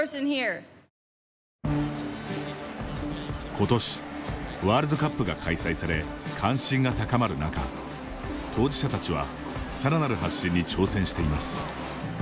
今年、ワールドカップが開催され関心が高まる中当事者たちは、さらなる発信に挑戦しています。